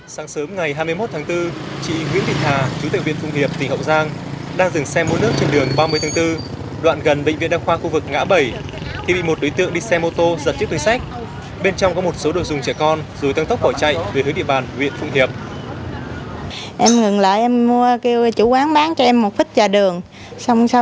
sáng sớm ngày hai mươi một tháng bốn chị nguyễn thị thà chú tại huyện phung hiệp tỉnh hậu giang đang dừng xe mua nước trên đường ba mươi tháng bốn đoạn gần bệnh viện đăng khoa khu vực ngã bảy